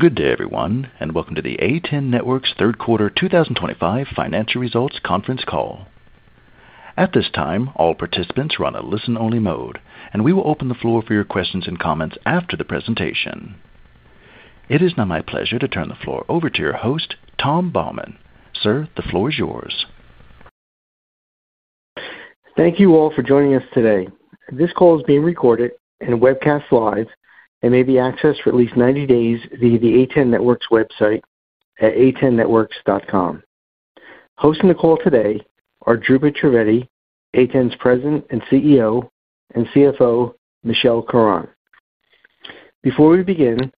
Good day, everyone, and welcome to the A10 Networks Third Quarter 2025 Financial Results Conference Call. At this time, all participants are on a listen-only mode, and we will open the floor for your questions and comments after the presentation. It is now my pleasure to turn the floor over to your host, Tom Baumann. Sir, the floor is yours. Thank you all for joining us today. This call is being recorded and webcast live, and may be accessed for at least 90 days via the A10 Networks website at a10networks.com. Hosting the call today are Dhrupad Trivedi, A10's President and CEO and CFO, Michelle Caron. Before we begin,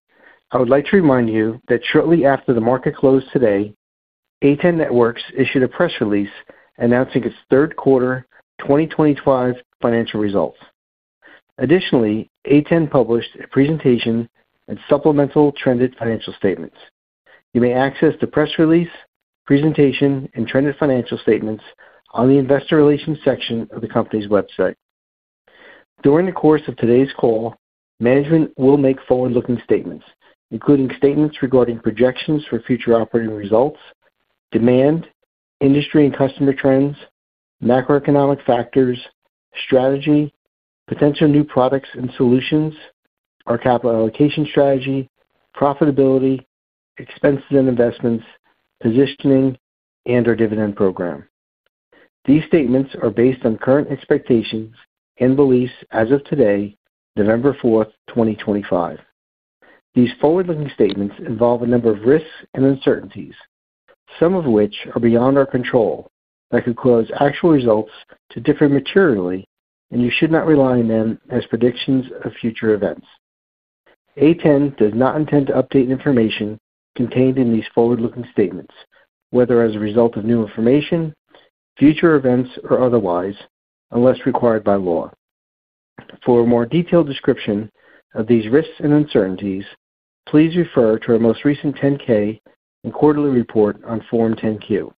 I would like to remind you that shortly after the market closed today, A10 Networks issued a press release announcing its third quarter 2025 financial results. Additionally, A10 published a presentation and supplemental trended financial statements. You may access the press release, presentation, and trended financial statements on the investor relations section of the company's website. During the course of today's call, management will make forward-looking statements, including statements regarding projections for future operating results, demand, industry and customer trends, macroeconomic factors, strategy, potential new products and solutions, our capital allocation strategy, profitability, expenses and investments, positioning, and our dividend program. These statements are based on current expectations and beliefs as of today, November 4th, 2025. These forward-looking statements involve a number of risks and uncertainties, some of which are beyond our control, that could cause actual results to differ materially, and you should not rely on them as predictions of future events. A10 does not intend to update information contained in these forward-looking statements, whether as a result of new information, future events, or otherwise, unless required by law. For a more detailed description of these risks and uncertainties, please refer to our most recent 10-K and quarterly report on Form 10-Q.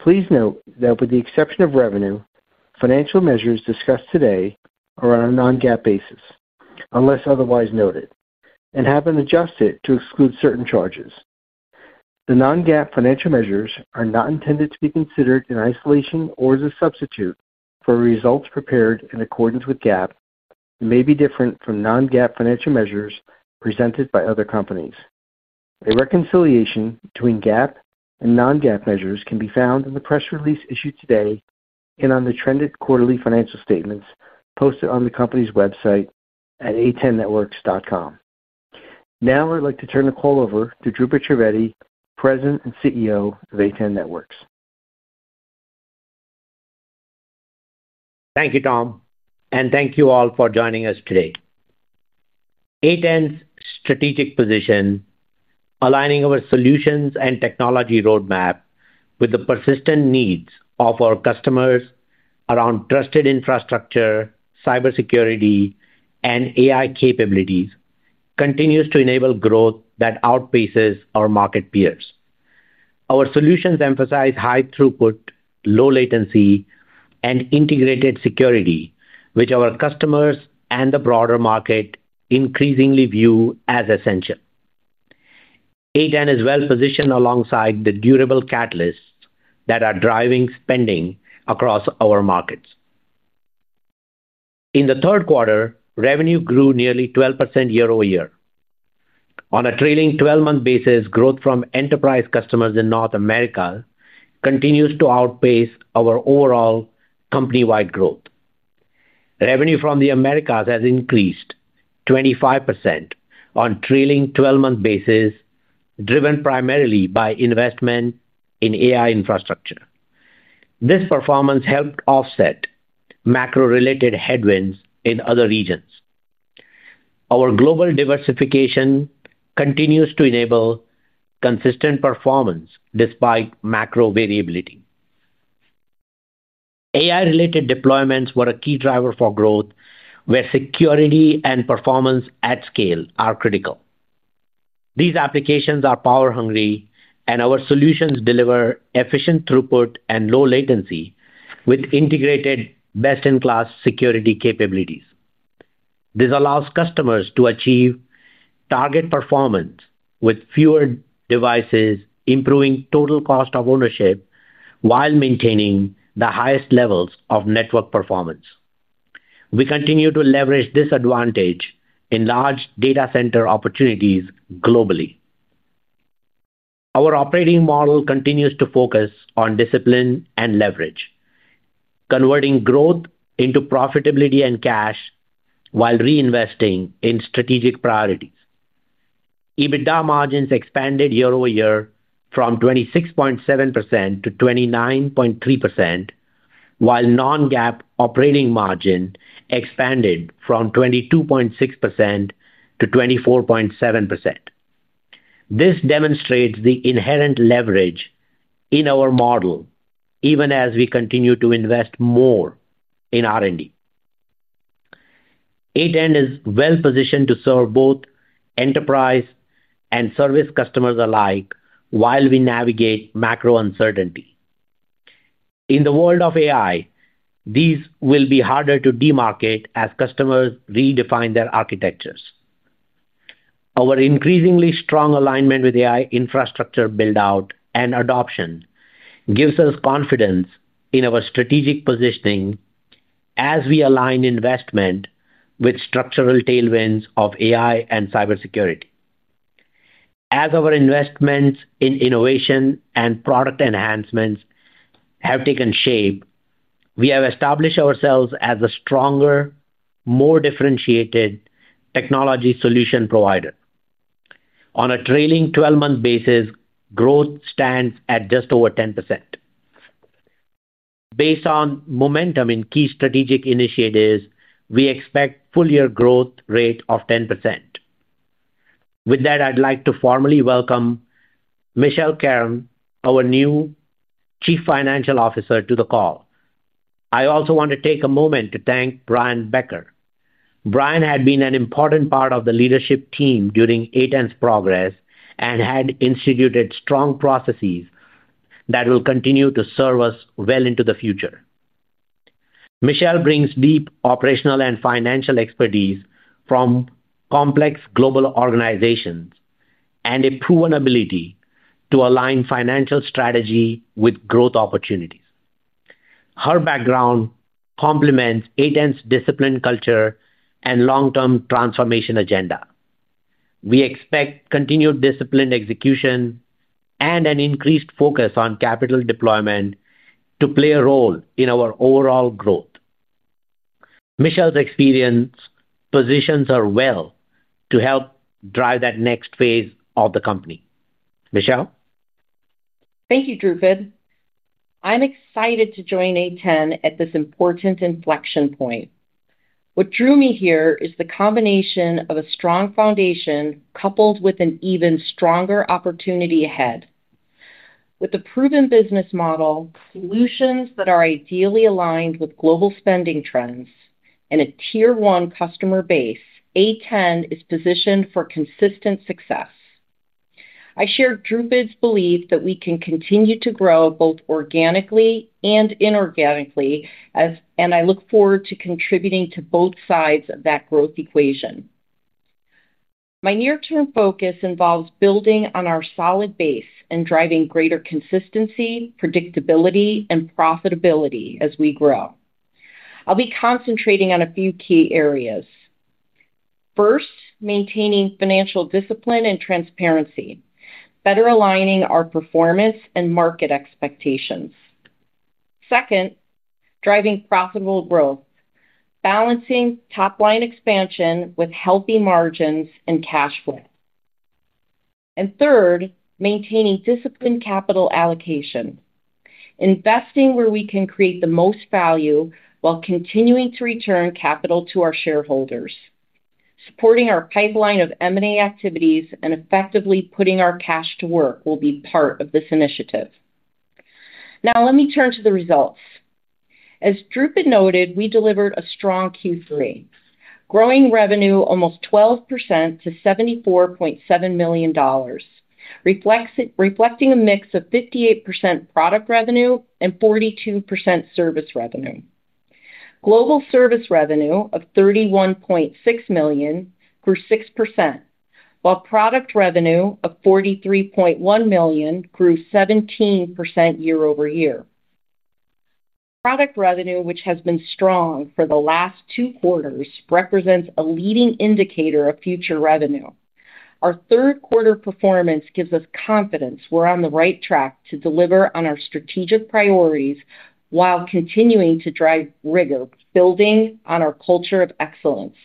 Please note that, with the exception of revenue, financial measures discussed today are on a non-GAAP basis, unless otherwise noted, and have been adjusted to exclude certain charges. The non-GAAP financial measures are not intended to be considered in isolation or as a substitute for results prepared in accordance with GAAP and may be different from non-GAAP financial measures presented by other companies. A reconciliation between GAAP and non-GAAP measures can be found in the press release issued today and on the trended quarterly financial statements posted on the company's website at a10networks.com. Now, I'd like to turn the call over to Dhrupad Trivedi, President and CEO of A10 Networks. Thank you, Tom, and thank you all for joining us today. A10's strategic position. Aligning our solutions and technology roadmap with the persistent needs of our customers around trusted infrastructure, cybersecurity, and AI capabilities continues to enable growth that outpaces our market peers. Our solutions emphasize high throughput, low latency, and integrated security, which our customers and the broader market increasingly view as essential. A10 is well positioned alongside the durable catalysts that are driving spending across our markets. In the third quarter, revenue grew nearly 12% year-over-year. On a trailing 12-month basis, growth from enterprise customers in North America continues to outpace our overall company-wide growth. Revenue from the Americas has increased 25% on a trailing 12-month basis, driven primarily by investment in AI infrastructure. This performance helped offset macro-related headwinds in other regions. Our global diversification continues to enable consistent performance despite macro variability. AI-related deployments were a key driver for growth, where security and performance at scale are critical. These applications are power-hungry, and our solutions deliver efficient throughput and low latency with integrated best-in-class security capabilities. This allows customers to achieve target performance with fewer devices, improving total cost of ownership while maintaining the highest levels of network performance. We continue to leverage this advantage in large data center opportunities globally. Our operating model continues to focus on discipline and leverage. Converting growth into profitability and cash while reinvesting in strategic priorities. EBITDA margins expanded year-over-year from 26.7% to 29.3%. While non-GAAP operating margin expanded from 22.6% to 24.7%. This demonstrates the inherent leverage in our model, even as we continue to invest more in R&D. A10 is well positioned to serve both enterprise and service customers alike while we navigate macro uncertainty. In the world of AI, these will be harder to demarcate as customers redefine their architectures. Our increasingly strong alignment with AI infrastructure build-out and adoption gives us confidence in our strategic positioning. As we align investment with structural tailwinds of AI and cybersecurity. As our investments in innovation and product enhancements have taken shape, we have established ourselves as a stronger, more differentiated technology solution provider. On a trailing 12-month basis, growth stands at just over 10%. Based on momentum in key strategic initiatives, we expect full-year growth rate of 10%. With that, I'd like to formally welcome Michelle Caron, our new Chief Financial Officer, to the call. I also want to take a moment to thank Brian Becker. Brian had been an important part of the leadership team during A10's progress and had instituted strong processes that will continue to serve us well into the future. Michelle brings deep operational and financial expertise from complex global organizations and a proven ability to align financial strategy with growth opportunities. Her background complements A10's disciplined culture and long-term transformation agenda. We expect continued disciplined execution and an increased focus on capital deployment to play a role in our overall growth. Michelle's experience positions her well to help drive that next phase of the company. Michelle? Thank you, Dhrupad. I'm excited to join A10 at this important inflection point. What drew me here is the combination of a strong foundation coupled with an even stronger opportunity ahead. With a proven business model, solutions that are ideally aligned with global spending trends, and a tier-one customer base, A10 is positioned for consistent success. I share Dhrupad's belief that we can continue to grow both organically and inorganically, and I look forward to contributing to both sides of that growth equation. My near-term focus involves building on our solid base and driving greater consistency, predictability, and profitability as we grow. I'll be concentrating on a few key areas. First, maintaining financial discipline and transparency, better aligning our performance and market expectations. Second, driving profitable growth, balancing top-line expansion with healthy margins and cash flow. And third, maintaining disciplined capital allocation. Investing where we can create the most value while continuing to return capital to our shareholders. Supporting our pipeline of M&A activities and effectively putting our cash to work will be part of this initiative. Now, let me turn to the results. As Dhrupad noted, we delivered a strong Q3, growing revenue almost 12% to $74.7 million. Reflecting a mix of 58% product revenue and 42% service revenue. Global service revenue of $31.6 million grew 6%, while product revenue of $43.1 million grew 17% year-over-year. Product revenue, which has been strong for the last two quarters, represents a leading indicator of future revenue. Our third-quarter performance gives us confidence we're on the right track to deliver on our strategic priorities while continuing to drive rigor, building on our culture of excellence.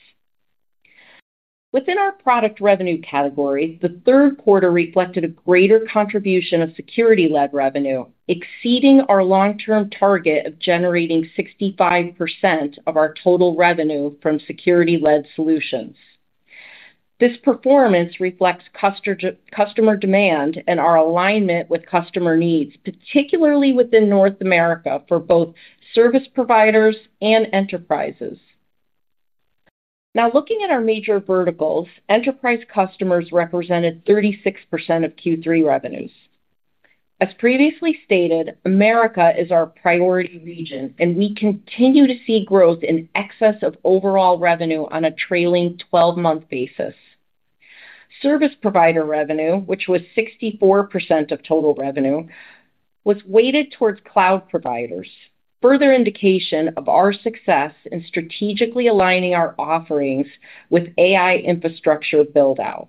Within our product revenue category, the third quarter reflected a greater contribution of security-led revenue, exceeding our long-term target of generating 65% of our total revenue from security-led solutions. This performance reflects customer demand and our alignment with customer needs, particularly within North America, for both service providers and enterprises. Now, looking at our major verticals, enterprise customers represented 36% of Q3 revenues. As previously stated, Americas is our priority region, and we continue to see growth in excess of overall revenue on a trailing 12-month basis. Service provider revenue, which was 64% of total revenue, was weighted towards cloud providers, further indication of our success in strategically aligning our offerings with AI infrastructure build-out.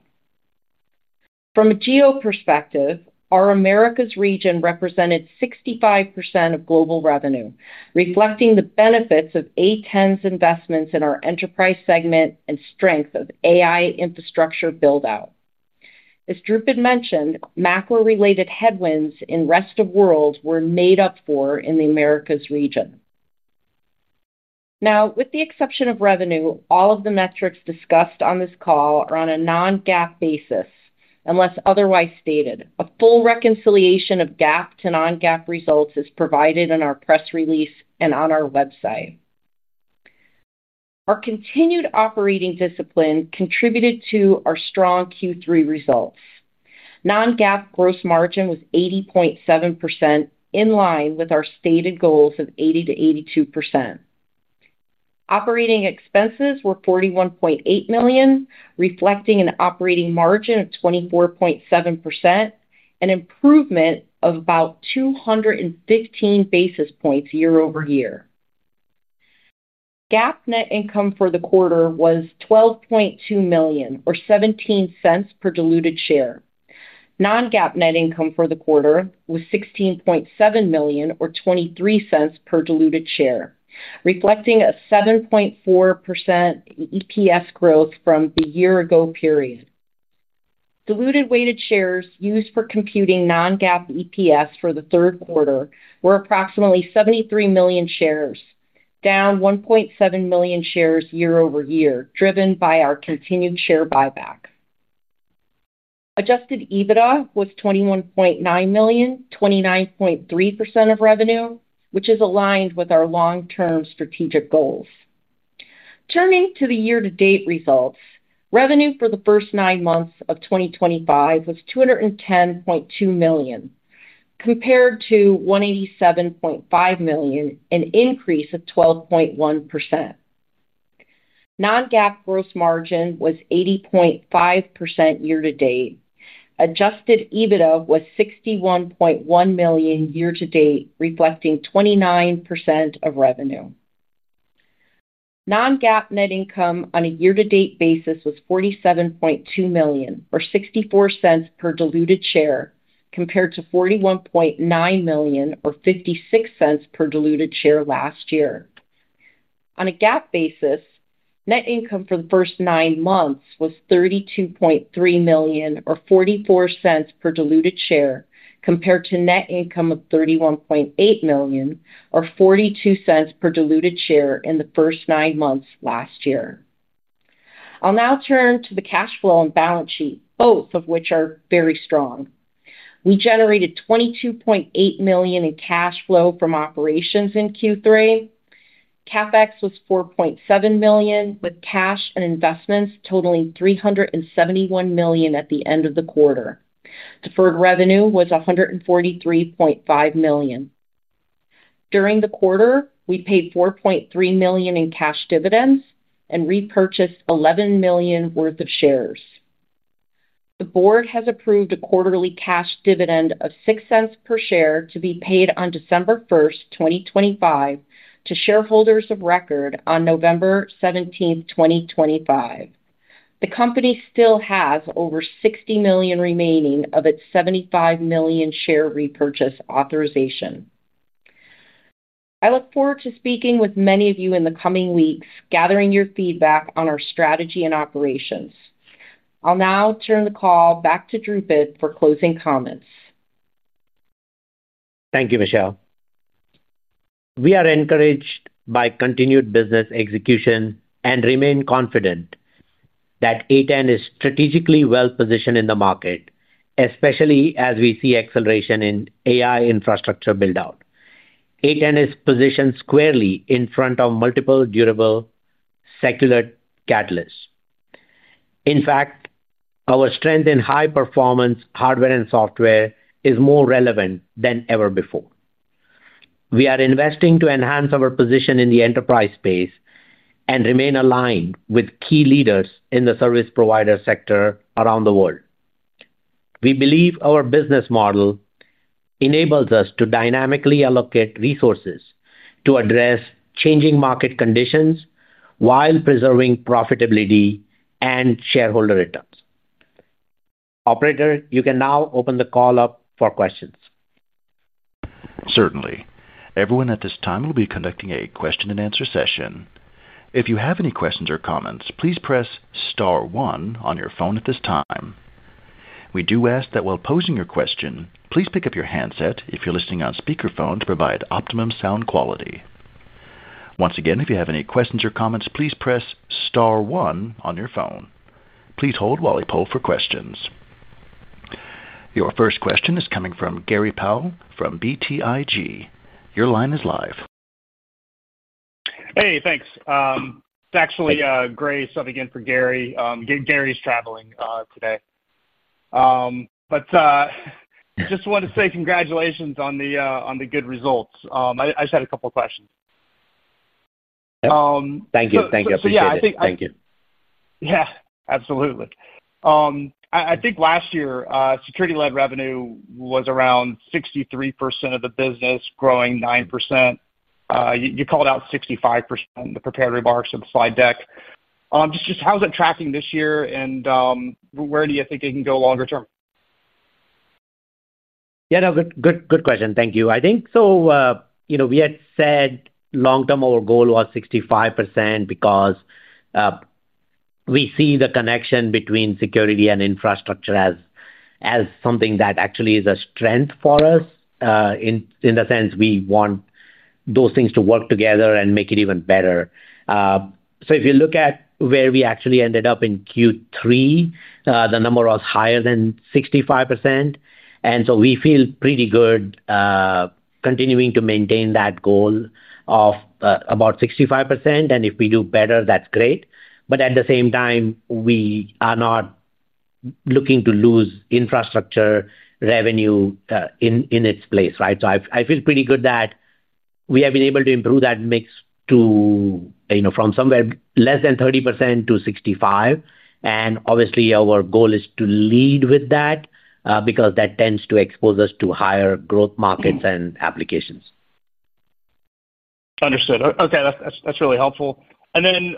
From a geo perspective, our Americas region represented 65% of global revenue, reflecting the benefits of A10's investments in our enterprise segment and strength of AI infrastructure build-out. As Dhrupad mentioned, macro-related headwinds in rest of world were made up for in the Americas region. Now, with the exception of revenue, all of the metrics discussed on this call are on a non-GAAP basis, unless otherwise stated. A full reconciliation of GAAP to non-GAAP results is provided in our press release and on our website. Our continued operating discipline contributed to our strong Q3 results. Non-GAAP gross margin was 80.7%, in line with our stated goals of 80%-82%. Operating expenses were $41.8 million, reflecting an operating margin of 24.7%, an improvement of about 215 basis points year-over-year. GAAP net income for the quarter was $12.2 million, or $0.17 per diluted share. Non-GAAP net income for the quarter was $16.7 million, or $0.23 per diluted share, reflecting 7.4% EPS growth from the year-ago period. Diluted weighted shares used for computing non-GAAP EPS for the third quarter were approximately 73 million shares, down 1.7 million shares year-over-year, driven by our continued share buyback. Adjusted EBITDA was $21.9 million, 29.3% of revenue, which is aligned with our long-term strategic goals. Turning to the year-to-date results, revenue for the first nine months of 2025 was $210.2 million, compared to $187.5 million, an increase of 12.1%. Non-GAAP gross margin was 80.5% year-to-date. Adjusted EBITDA was $61.1 million year-to-date, reflecting 29% of revenue. Non-GAAP net income on a year-to-date basis was $47.2 million, or $0.64 per diluted share, compared to $41.9 million, or $0.56 per diluted share last year. On a GAAP basis, net income for the first nine months was $32.3 million, or $0.44 per diluted share, compared to net income of $31.8 million, or $0.42 per diluted share in the first nine months last year. I'll now turn to the cash flow and balance sheet, both of which are very strong. We generated $22.8 million in cash flow from operations in Q3. CapEx was $4.7 million, with cash and investments totaling $371 million at the end of the quarter. Deferred revenue was $143.5 million. During the quarter, we paid $4.3 million in cash dividends and repurchased $11 million worth of shares. The board has approved a quarterly cash dividend of $0.06 per share to be paid on December 1, 2025, to shareholders of record on November 17, 2025. The company still has over $60 million remaining of its $75 million share repurchase authorization. I look forward to speaking with many of you in the coming weeks, gathering your feedback on our strategy and operations. I'll now turn the call back to Dhrupad for closing comments. Thank you, Michelle. We are encouraged by continued business execution and remain confident that A10 is strategically well positioned in the market, especially as we see acceleration in AI infrastructure build-out. A10 is positioned squarely in front of multiple durable circular catalysts. In fact, our strength in high-performance hardware and software is more relevant than ever before. We are investing to enhance our position in the enterprise space and remain aligned with key leaders in the service provider sector around the world. We believe our business model enables us to dynamically allocate resources to address changing market conditions while preserving profitability and shareholder returns. Operator, you can now open the call up for questions. Certainly. Everyone at this time will be conducting a question-and-answer session. If you have any questions or comments, please press star one on your phone at this time. We do ask that while posing your question, please pick up your handset if you're listening on speakerphone to provide optimum sound quality. Once again, if you have any questions or comments, please press star one on your phone. Please hold while I poll for questions. Your first question is coming from Gary Powell from BTIG. Your line is live. Hey, thanks. It's actually Gray, subbing in for Gary. Gary's traveling today. But just wanted to say congratulations on the good results. I just had a couple of questions. Thank you. Thank you. Appreciate it. Yeah. Absolutely. I think last year, security-led revenue was around 63% of the business, growing 9%. You called out 65% in the prepared remarks of the slide deck. Just how's it tracking this year, and where do you think it can go longer term? Yeah. No, good question. Thank you. I think so. We had said long-term our goal was 65% because we see the connection between security and infrastructure as something that actually is a strength for us. In the sense we want those things to work together and make it even better. So if you look at where we actually ended up in Q3, the number was higher than 65%, and so we feel pretty good, continuing to maintain that goal of about 65%. And if we do better, that's great. But at the same time, we are not looking to lose infrastructure revenue in its place, right? So I feel pretty good that we have been able to improve that mix from somewhere less than 30%-65%. And obviously, our goal is to lead with that because that tends to expose us to higher growth markets and applications. Understood. Okay. That's really helpful. And then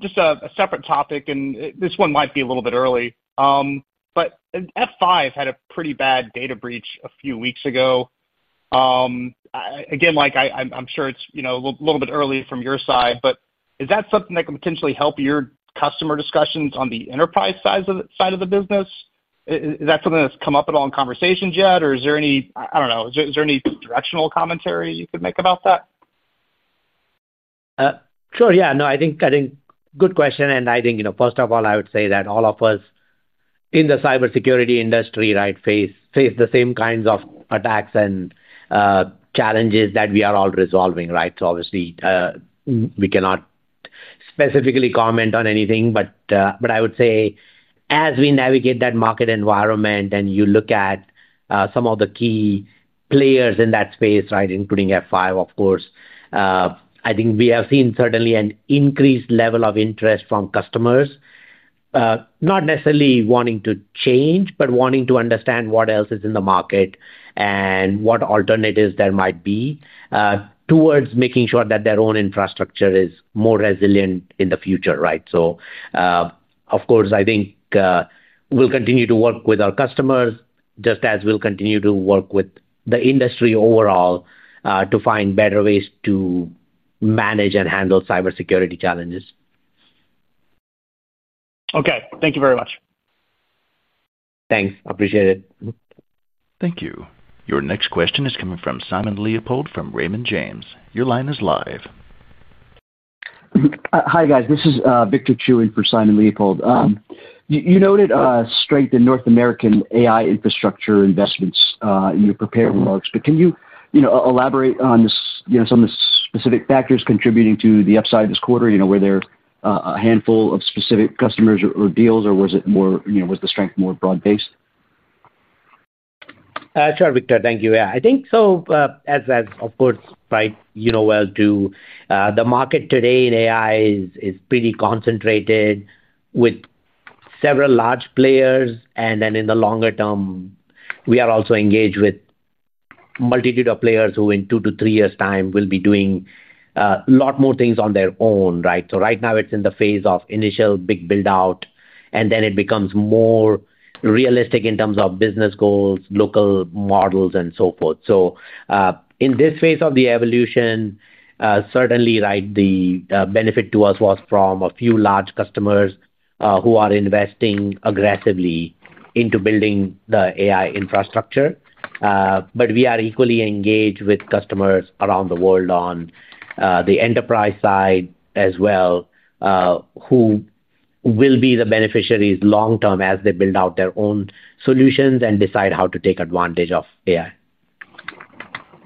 just a separate topic, and this one might be a little bit early. But F5 had a pretty bad data breach a few weeks ago. Again, I'm sure it's a little bit early from your side, but is that something that can potentially help your customer discussions on the enterprise side of the business? Is that something that's come up at all in conversations yet, or is there any—I don't know—is there any directional commentary you could make about that? Sure. Yeah. No, I think good question. And I think, first of all, I would say that all of us in the cybersecurity industry, right, face the same kinds of attacks and challenges that we are all resolving, right? So obviously we cannot specifically comment on anything, but I would say as we navigate that market environment and you look at some of the key players in that space, right, including F5, of course. I think we have seen certainly an increased level of interest from customers, not necessarily wanting to change, but wanting to understand what else is in the market and what alternatives there might be towards making sure that their own infrastructure is more resilient in the future, right? So of course, I think we'll continue to work with our customers, just as we'll continue to work with the industry overall to find better ways to manage and handle cybersecurity challenges. Okay. Thank you very much. Thanks. Appreciate it. Thank you. Your next question is coming from Simon Leopold from Raymond James. Your line is live. Hi guys. This is Victor for Simon Leopold. You noted a strength in North American AI infrastructure investments in your prepared remarks, but can you elaborate on some of the specific factors contributing to the upside this quarter, where there are a handful of specific customers or deals, or was the strength more broad-based? Sure, Victor. Thank you. Yeah. I think so, as of course, right, you know well too, the market today in AI is pretty concentrated with several large players, and then in the longer term, we are also engaged with a multitude of players who in two to three years' time will be doing a lot more things on their own, right? So right now, it's in the phase of initial big build-out, and then it becomes more realistic in terms of business goals, local models, and so forth, so in this phase of the evolution, certainly, right, the benefit to us was from a few large customers who are investing aggressively into building the AI infrastructure, but we are equally engaged with customers around the world on the enterprise side as well, who will be the beneficiaries long-term as they build out their own solutions and decide how to take advantage of AI.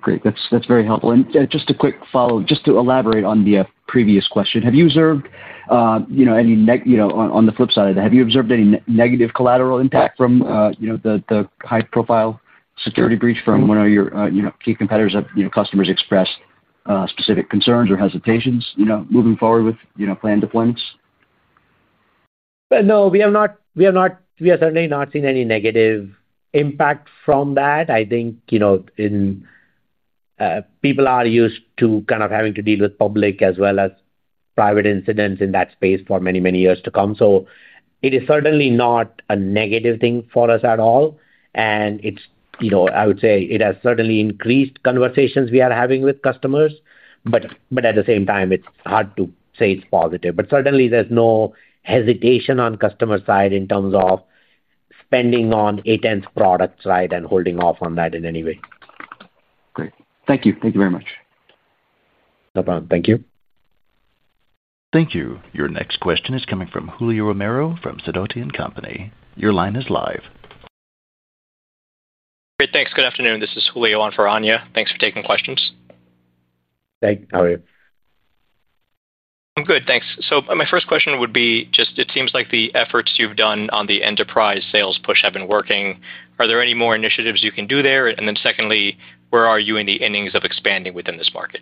Great. That's very helpful, and just a quick follow-up, just to elaborate on the previous question, have you observed any on the flip side of that, have you observed any negative collateral impact from the high-profile security breach from one of your key competitors? Have customers expressed specific concerns or hesitations moving forward with planned deployments? No, we have not. We are certainly not seeing any negative impact from that. I think. People are used to kind of having to deal with public as well as private incidents in that space for many, many years to come. So it is certainly not a negative thing for us at all. And I would say it has certainly increased conversations we are having with customers. But at the same time, it's hard to say it's positive. But certainly, there's no hesitation on the customer side in terms of spending on A10's products, right, and holding off on that in any way. Great. Thank you. Thank you very much. No problem. Thank you. Thank you. Your next question is coming from Julio Romero from Sidoti & Company. Your line is live. Great. Thanks. Good afternoon. This is Julio on for Anya. Thanks for taking questions. Thanks. How are you? I'm good. Thanks. So my first question would be just, it seems like the efforts you've done on the enterprise sales push have been working. Are there any more initiatives you can do there? And then secondly, where are you in the innings of expanding within this market?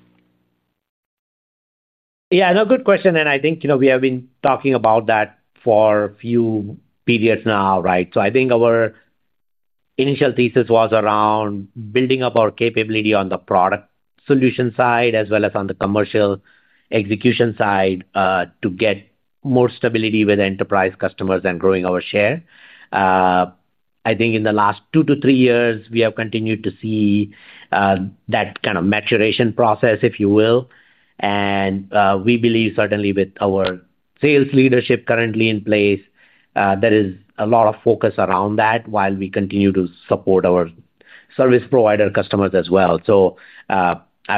Yeah. No, good question. And I think we have been talking about that for a few periods now, right? So I think our initial thesis was around building up our capability on the product solution side as well as on the commercial execution side to get more stability with enterprise customers and growing our share. I think in the last two to three years, we have continued to see that kind of maturation process, if you will. And we believe certainly with our sales leadership currently in place, there is a lot of focus around that while we continue to support our service provider customers as well. So I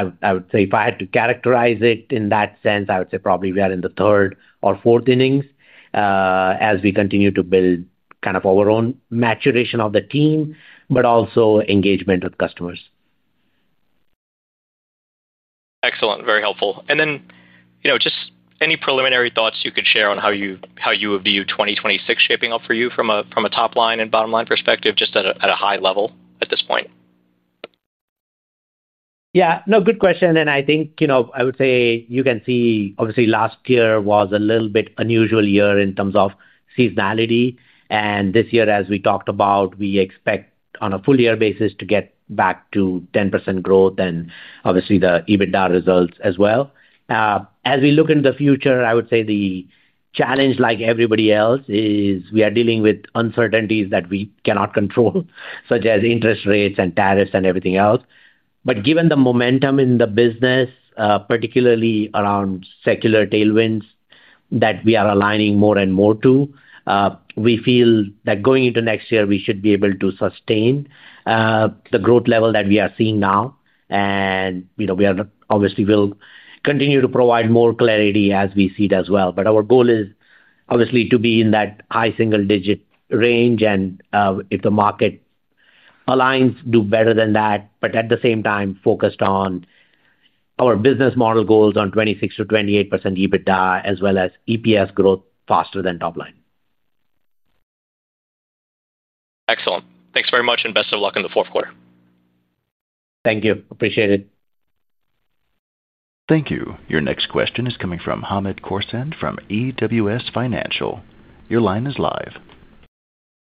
would say if I had to characterize it in that sense, I would say probably we are in the third or fourth innings as we continue to build kind of our own maturation of the team, but also engagement with customers. Excellent. Very helpful. And then. Just any preliminary thoughts you could share on how you view 2026 shaping up for you from a top-line and bottom-line perspective, just at a high level at this point? Yeah. No, good question. And I think I would say you can see obviously last year was a little bit unusual year in terms of seasonality. And this year, as we talked about, we expect on a full-year basis to get back to 10% growth and obviously the EBITDA results as well. As we look into the future, I would say the challenge like everybody else is we are dealing with uncertainties that we cannot control, such as interest rates and tariffs and everything else. But given the momentum in the business, particularly around secular tailwinds that we are aligning more and more to, we feel that going into next year, we should be able to sustain the growth level that we are seeing now. And we obviously will continue to provide more clarity as we see it as well. But our goal is obviously to be in that high single-digit range. And if the market aligns, do better than that. But at the same time, focused on our business model goals on 26%-28% EBITDA as well as EPS growth faster than top line. Excellent. Thanks very much and best of luck in the fourth quarter. Thank you. Appreciate it. Thank you. Your next question is coming from Hamed Khorsand from BWS Financial. Your line is live.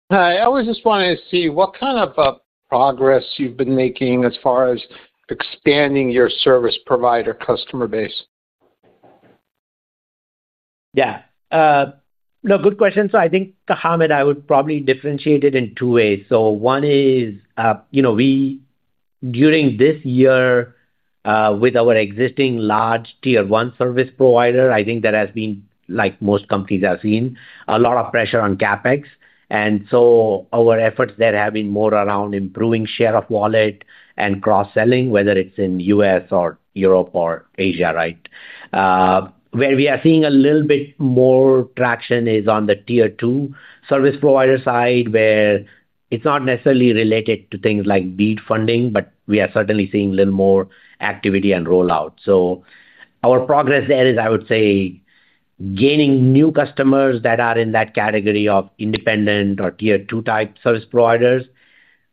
Hi. I was just wanting to see what kind of progress you've been making as far as expanding your service provider customer base. Yeah. No, good question. So I think, Hamed, I would probably differentiate it in two ways. So one is during this year. With our existing large tier-one service provider, I think there has been, like most companies have seen, a lot of pressure on CapEx. And so our efforts there have been more around improving share of wallet and cross-selling, whether it's in the U.S. or Europe or Asia, right? Where we are seeing a little bit more traction is on the tier-two service provider side, where it's not necessarily related to things like BEAD funding, but we are certainly seeing a little more activity and rollout. So our progress there is, I would say, gaining new customers that are in that category of independent or tier-two type service providers.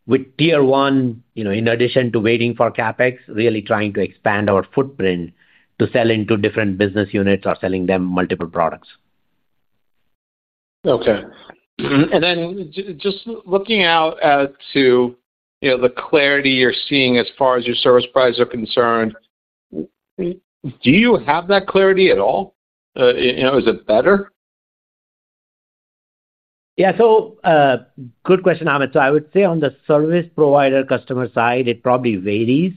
With tier-one, in addition to waiting for CapEx, really trying to expand our footprint to sell into different business units or selling them multiple products. Okay, and then just looking out to the clarity you're seeing as far as your service providers are concerned. Do you have that clarity at all? Is it better? Yeah. So. Good question, Hamed. So I would say on the service provider customer side, it probably varies.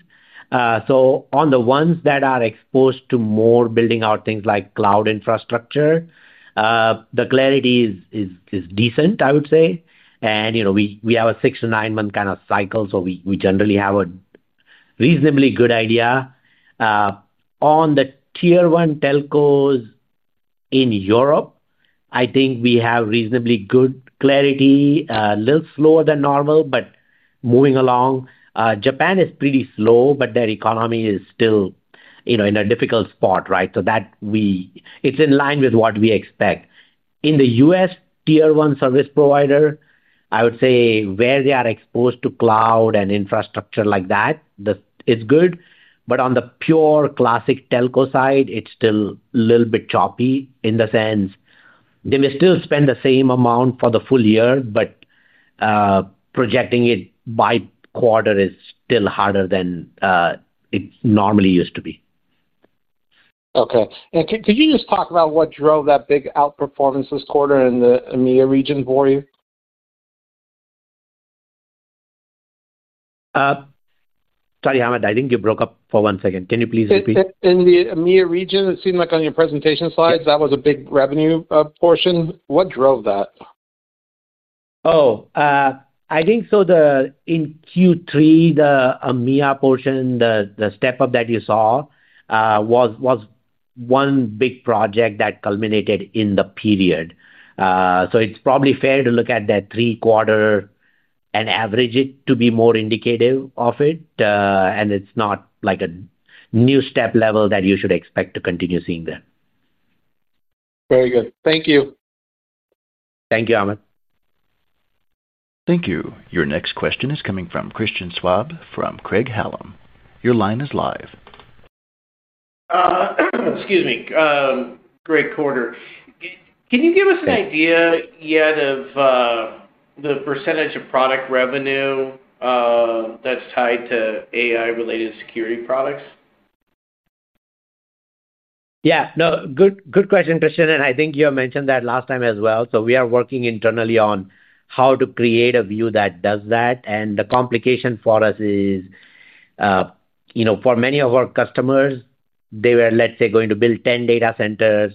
So on the ones that are exposed to more building out things like cloud infrastructure. The clarity is decent, I would say. And we have a six- to nine-month kind of cycle, so we generally have a reasonably good idea. On the tier-one telcos. In Europe, I think we have reasonably good clarity, a little slower than normal, but moving along. Japan is pretty slow, but their economy is still. In a difficult spot, right? So. It's in line with what we expect. In the U.S. tier-one service provider, I would say where they are exposed to cloud and infrastructure like that, it's good. But on the pure classic telco side, it's still a little bit choppy in the sense they may still spend the same amount for the full year, but. Projecting it by quarter is still harder than. It normally used to be. Okay. And could you just talk about what drove that big outperformance this quarter in the EMEA region for you? Sorry, Hamed. I think you broke up for one second. Can you please repeat? In the EMEA region, it seemed like on your presentation slides, that was a big revenue portion. What drove that? Oh, I think so. In Q3, the EMEA portion, the step-up that you saw was one big project that culminated in the period, so it's probably fair to look at that three-quarter and average it to be more indicative of it, and it's not like a new step level that you should expect to continue seeing there. Very good. Thank you. Thank you, Hamed. Thank you. Your next question is coming from Christian Schwab from Craig-Hallum. Your line is live. Excuse me, Gray Powell. Can you give us an idea yet of the percentage of product revenue that's tied to AI-related security products? Yeah. No, good question, Christian. And I think you have mentioned that last time as well. So we are working internally on how to create a view that does that. And the complication for us is for many of our customers, they were, let's say, going to build 10 data centers.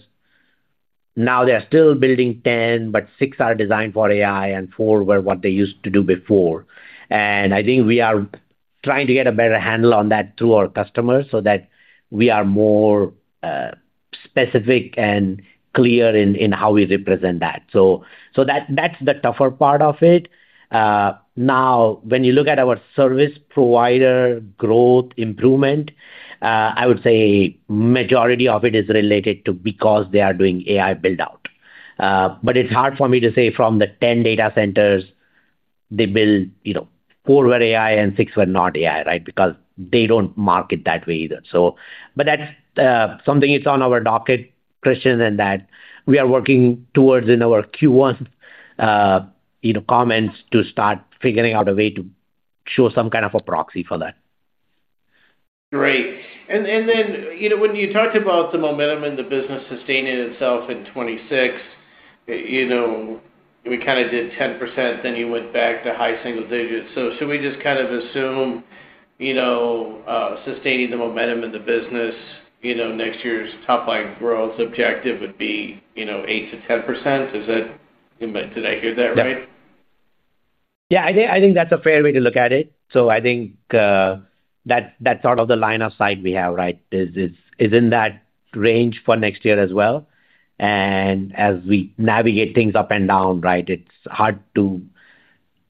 Now they're still building 10, but six are designed for AI and four were what they used to do before. And I think we are trying to get a better handle on that through our customers so that we are more specific and clear in how we represent that. So that's the tougher part of it. Now, when you look at our service provider growth improvement, I would say the majority of it is related to because they are doing AI build-out. But it's hard for me to say from the 10 data centers they build, four were AI and six were not AI, right? Because they don't market that way either. But that's something it's on our docket, Christian, and that we are working towards in our Q1 comments to start figuring out a way to show some kind of a proxy for that. Great. And then when you talked about the momentum in the business sustaining itself in 2026. We kind of did 10%, then you went back to high single digits. So should we just kind of assume, sustaining the momentum in the business. Next year's top-line growth objective would be 8%-10%? Did I hear that right? Yeah. I think that's a fair way to look at it. So, I think that's out of the line of sight we have, right? Is in that range for next year as well, and as we navigate things up and down, right, it's hard to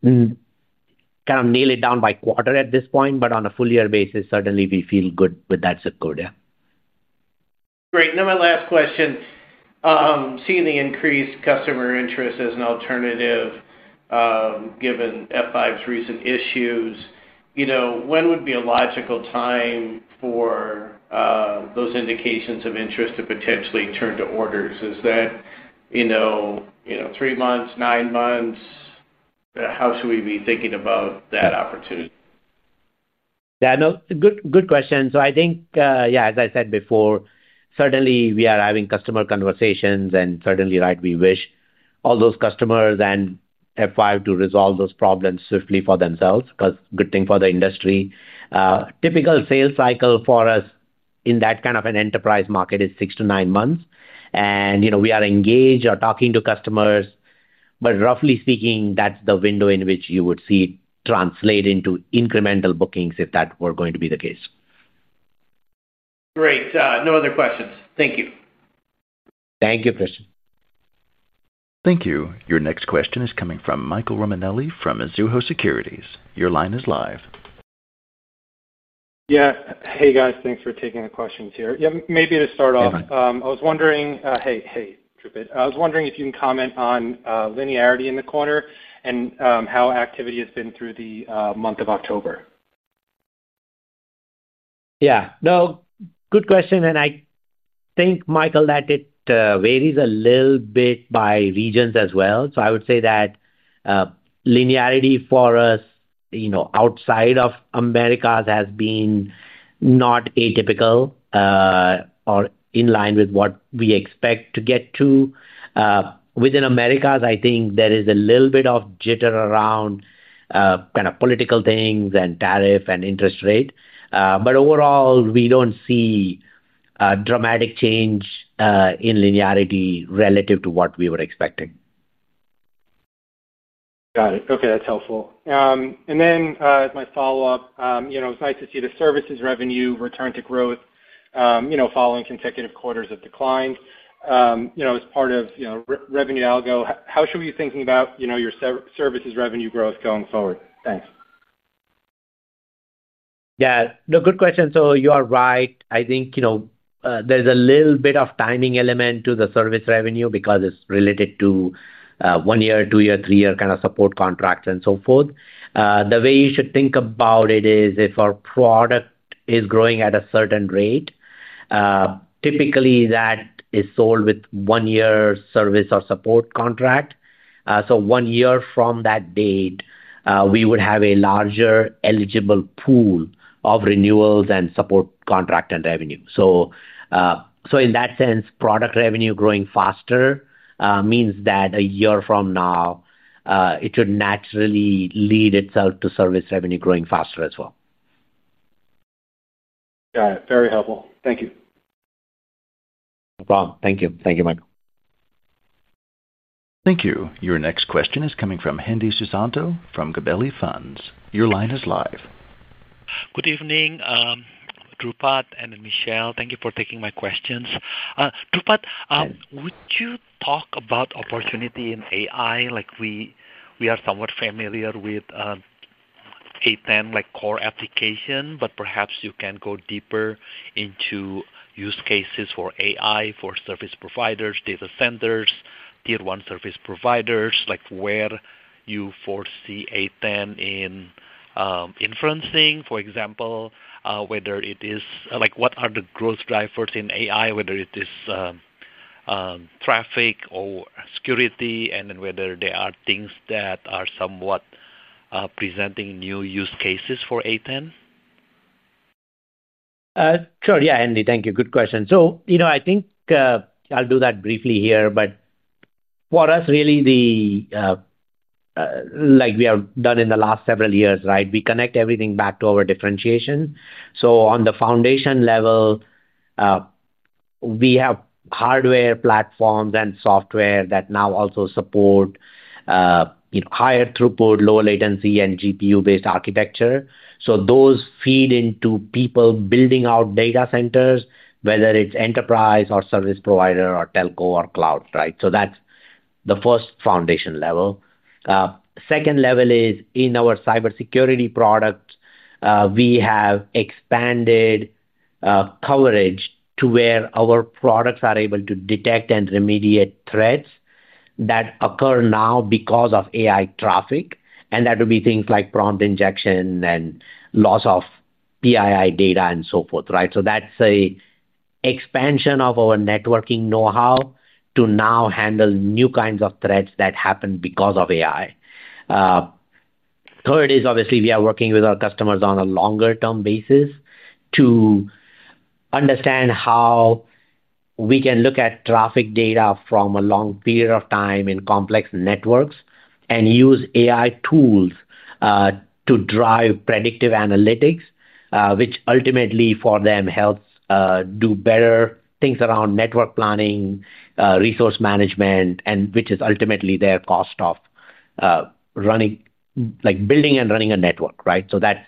kind of nail it down by quarter at this point, but on a full-year basis, certainly we feel good with that subcode, yeah. Great. Now my last question. Seeing the increased customer interest as an alternative, given F5's recent issues. When would be a logical time for those indications of interest to potentially turn to orders? Is that three months, nine months? How should we be thinking about that opportunity? Yeah. No, good question. So I think, yeah, as I said before, certainly we are having customer conversations and certainly, right, we wish all those customers and F5 to resolve those problems swiftly for themselves because good thing for the industry. Typical sales cycle for us in that kind of an enterprise market is six to nine months, and we are engaged or talking to customers, but roughly speaking, that's the window in which you would see it translate into incremental bookings if that were going to be the case. Great. No other questions. Thank you. Thank you, Chris. Thank you. Your next question is coming from Michael Romanelli from Mizuho Securities. Your line is live. Yeah. Hey, guys. Thanks for taking the questions here. Yeah. Maybe to start off. I was wondering, hey, hey, Dhrupad. I was wondering if you can comment on linearity in the quarter and how activity has been through the month of October? Yeah. No, good question, and I think, Michael, that it varies a little bit by regions as well, so I would say that linearity for us outside of Americas has been not atypical or in line with what we expect to get to. Within Americas, I think there is a little bit of jitter around kind of political things and tariff and interest rate, but overall, we don't see dramatic change in linearity relative to what we were expecting. Got it. Okay. That's helpful. And then as my follow-up, it was nice to see the services revenue return to growth. Following consecutive quarters of decline. As part of revenue algo, how should we be thinking about your services revenue growth going forward? Thanks. Yeah. No, good question. So you are right, I think. There's a little bit of timing element to the service revenue because it's related to one-year, two-year, three-year kind of support contracts and so forth. The way you should think about it is if our product is growing at a certain rate. Typically, that is sold with one-year service or support contract. So one year from that date, we would have a larger eligible pool of renewals and support contract and revenue. So, in that sense, product revenue growing faster means that a year from now it should naturally lead itself to service revenue growing faster as well. Got it. Very helpful. Thank you. No problem. Thank you. Thank you, Michael. Thank you. Your next question is coming from Hendi Susanto from Gabelli Funds. Your line is live. Good evening. Dhrupad and Michelle, thank you for taking my questions. Dhrupad, would you talk about opportunity in AI? We are somewhat familiar with A10 core application, but perhaps you can go deeper into use cases for AI for service providers, data centers, tier-one service providers, like where you foresee A10 in inference, for example, whether it is what are the growth drivers in AI, whether it is traffic or security, and then whether there are things that are somewhat presenting new use cases for A10? Sure. Yeah, Hendi, thank you. Good question. So I think I'll do that briefly here, but. For us, really, the. Like we have done in the last several years, right, we connect everything back to our differentiation. So on the foundation level. We have hardware platforms and software that now also support. Higher throughput, low latency, and GPU-based architecture. So those feed into people building out data centers, whether it's enterprise or service provider or telco or cloud, right? So that's the first foundation level. Second level is in our cybersecurity products, we have expanded. Coverage to where our products are able to detect and remediate threats that occur now because of AI traffic. And that would be things like prompt injection and loss of PII data and so forth, right? So that's an expansion of our networking know-how to now handle new kinds of threats that happen because of AI. Third is, obviously, we are working with our customers on a longer-term basis to. Understand how. We can look at traffic data from a long period of time in complex networks and use AI tools to drive predictive analytics, which ultimately for them helps do better things around network planning, resource management, and which is ultimately their cost of. Building and running a network, right? So that's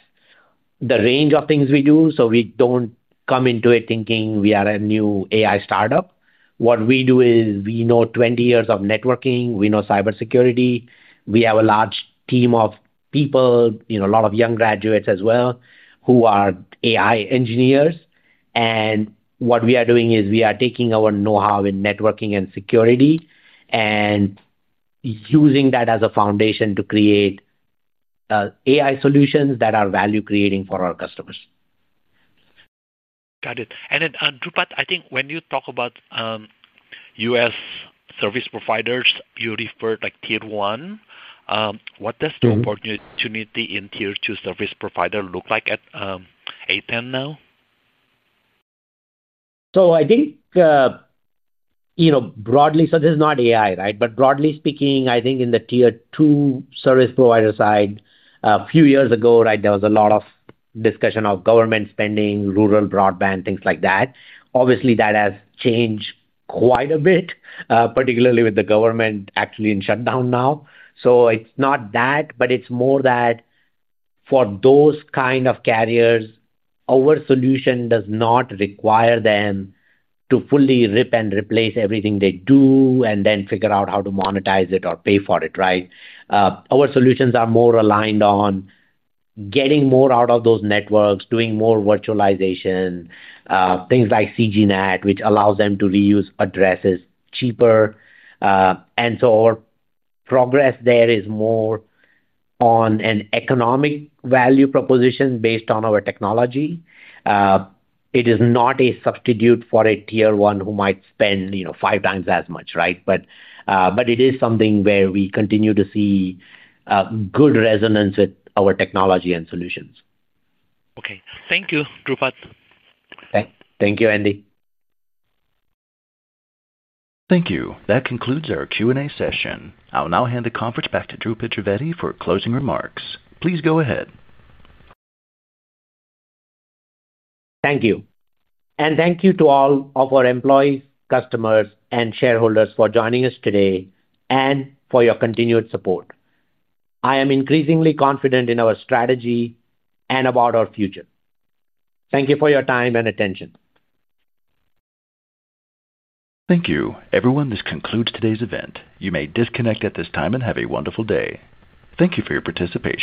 the range of things we do. So we don't come into it thinking we are a new AI startup. What we do is we know 20 years of networking. We know cybersecurity. We have a large team of people, a lot of young graduates as well, who are AI engineers. And what we are doing is we are taking our know-how in networking and security and. Using that as a foundation to create. AI solutions that are value-creating for our customers. Got it. And Dhrupad, I think when you talk about U.S. service providers, you referred to tier one. What does the opportunity in tier-two service provider look like at A10 now? So I think broadly—so this is not AI, right? But broadly speaking, I think in the tier-two service provider side, a few years ago, right, there was a lot of discussion of government spending, rural broadband, things like that. Obviously, that has changed quite a bit, particularly with the government actually in shutdown now. So it's not that, but it's more that. For those kind of carriers, our solution does not require them to fully rip and replace everything they do and then figure out how to monetize it or pay for it, right? Our solutions are more aligned on getting more out of those networks, doing more virtualization, things like CG-NAT, which allows them to reuse addresses cheaper. And so our progress there is more on an economic value proposition based on our technology. It is not a substitute for a tier one who might spend five times as much, right? But it is something where we continue to see good resonance with our technology and solutions. Okay. Thank you, Dhrupad. Thank you, Hendi. Thank you. That concludes our Q&A session. I'll now hand the conference back to Dhrupad Trivedi for closing remarks. Please go ahead. Thank you. And thank you to all of our employees, customers, and shareholders for joining us today and for your continued support. I am increasingly confident in our strategy and about our future. Thank you for your time and attention. Thank you. Everyone, this concludes today's event. You may disconnect at this time and have a wonderful day. Thank you for your participation.